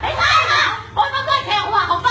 ช่วยด้วยค่ะส่วนสุด